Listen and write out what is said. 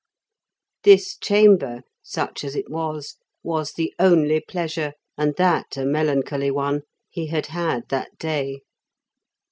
This chamber, such as it was, was the only pleasure, and that a melancholy one, he had had that day.